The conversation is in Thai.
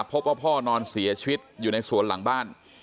พบว่าพ่อนอนเสียชีวิตอยู่ในสวนหลังบ้าน